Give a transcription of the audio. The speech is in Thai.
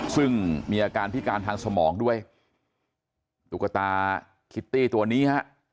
ซึ่งมีอาการพิการทางสมองด้วยตุ๊กตาคิตตี้ตัวนี้ฮะ